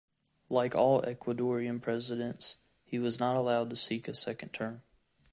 Like all Ecuadorian presidents, he was not allowed to seek a second term.